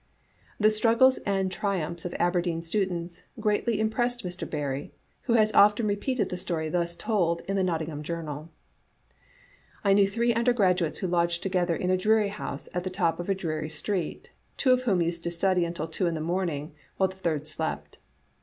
The strug gles and triumphs of Aberdeen students greatly im pressed Mr. Barrie, who has often repeated the story thus told in the Nottingham Journal: " I knew three undergraduates who lodged together in a dreary house at the top of a dreary street, two of whom used to study until two in the morning, while the third slept.